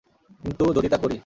কিন্তু যদি তা করি।